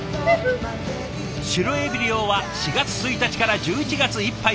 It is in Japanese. シロエビ漁は４月１日から１１月いっぱいまで。